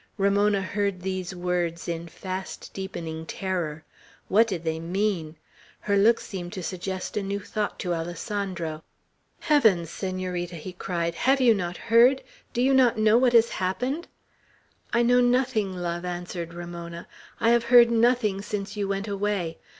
Ramona heard these words in fast deepening terror, What did they mean? Her look seemed to suggest a new thought to Alessandro. "Heavens, Senorita!" he cried, "have you not heard? Do you not know what has happened?" "I know nothing, love," answered Ramona. "I have heard nothing since you went away.